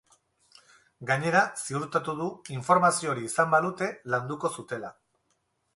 Gainera, ziurtatu du, informazio hori izan balute, landuko zutela.